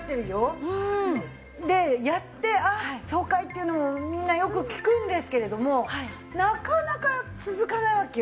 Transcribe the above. いうのもみんなよく聞くんですけれどもなかなか続かないわけよ。